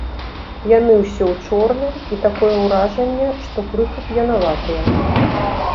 Яны ўсе ў чорным, і такое ўражанне, што крыху п'янаватыя.